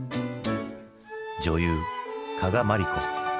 女優加賀まりこ。